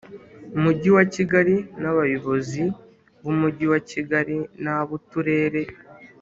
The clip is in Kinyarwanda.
Mujyi wa Kigali n abayobozi b Umujyi wa Kigali n ab Uturere